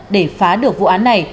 để phá được vụ án này